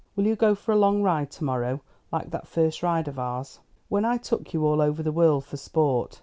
Will you go for a long ride to morrow like that first ride of ours?" "When I took you all over the world for sport?"